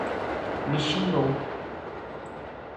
Me xingou.